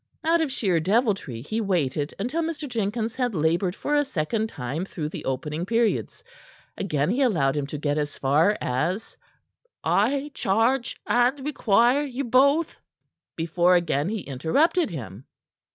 Out of sheer deviltry he waited until Mr. Jenkins had labored for a second time through the opening periods. Again he allowed him to get as far as "I charge and require you both ," before again he interrupted him.